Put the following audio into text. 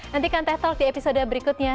nantikan teh talk di episode berikutnya